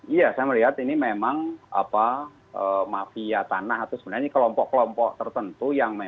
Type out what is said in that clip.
iya saya melihat ini memang mafia tanah atau sebenarnya kelompok kelompok tertentu